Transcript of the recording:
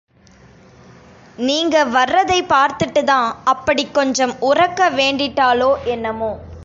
நீங்க வர்றதை பார்த்துட்டுதான் அப்படிக் கொஞ்சம் உரக்க வேண்டிட்டாளோ என்னமோ?